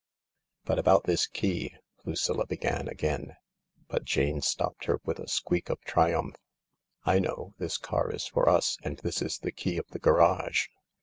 "But about this key 1 " Lucilla began again, but Jane stopped her with a squeak of triumph. " I know ! This car is for us, and this is the key of the garage.